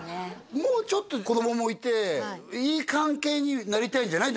もうちょっと子供もいていい関係になりたいんじゃない？